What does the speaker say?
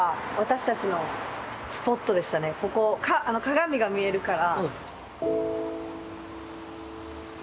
ここ鏡が見えるから。